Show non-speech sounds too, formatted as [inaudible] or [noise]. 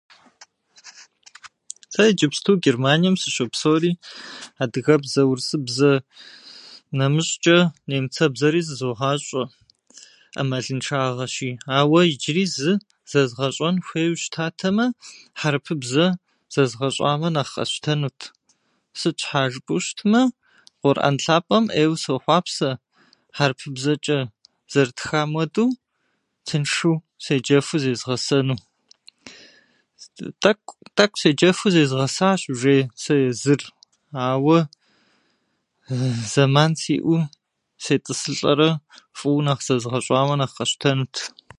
[noise] Сэ иджыпсту Германием сыщопсэури, адыгэбзэ, урысыбзэ нэмыщӏчӏэ, нэмыцэбзэри зызогъащӏэ ӏэмалыншагъэщи, ауэ иджыри зы зэзгъэщӏэн хуейуэ щытатэмэ, хьэрыпыбзэ зэзгъэщӏамэ, нэхъ къэсщтэнут. Сыт щхьа жыпӏэу щытмэ, къурӏэн лъапӏэм ӏейуэ сохъуапсэ хьэрыпыбзэчӏэ зэрытхам хуэдэу, тыншу седжэфу зезгъэсэну. тӏэкӏу- Тӏэкӏу седжэфу зезгъэсащ уже сэ езыр, ауэ зэман сиӏэу сетӏысылӏэрэ фӏыуэ нэхъ зэзгъэщӏамэ, нэхъ къэсщтэнут.